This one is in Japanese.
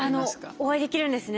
お会いできるんですね